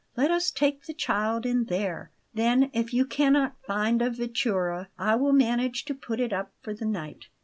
Let us take the child in there. Then, if you cannot find a vettura, I will manage to put it up for the night."